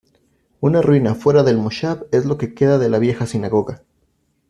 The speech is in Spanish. Una ruina fuera del moshav es lo que queda de la vieja sinagoga.